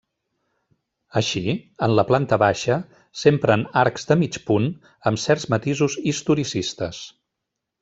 Així, en la planta baixa s'empren arcs de mig punt, amb certs matisos historicistes.